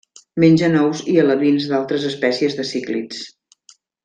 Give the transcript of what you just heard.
Mengen ous i alevins d'altres espècies de cíclids.